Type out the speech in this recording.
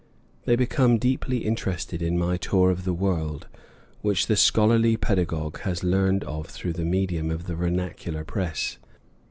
They become deeply interested in my tour of the world, which the scholarly pedagogue has learned of through the medium of the vernacular press.